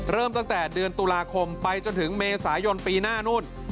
เริ่มตั้งแต่เดือนตุลาคมไปจนถึงเมษายนปีหน้านู่น